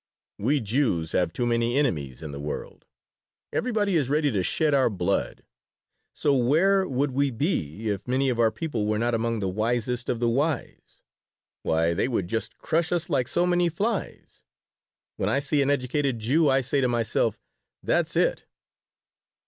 We Jews have too many enemies in the world. Everybody is ready to shed our blood. So where would we be if many of our people were not among the wisest of the wise? Why, they would just crush us like so many flies. When I see an educated Jew I say to myself, 'That's it!'"